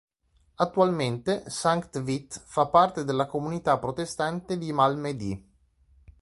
Attualmente Sankt Vith fa parte della comunità protestante di Malmedy.